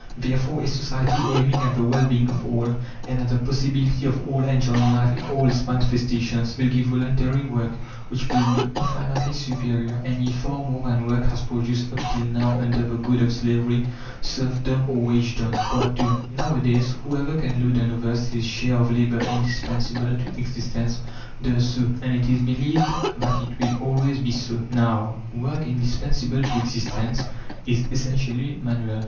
Therefore a society aiming at the well being of all, and at the possibility of all enjoying life in all its manifestations, will give voluntary work, which will be infinitely superior and yield far more than work has produced up till now under the goad of slavery, serfdom, or wagedom. II Nowadays, whoever can load on others his share of labour indispensable to existence does so, and it is believed that it will always be so. Now, work indispensable to existence is essentially manual.